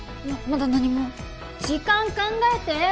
ままだ何も時間考えて！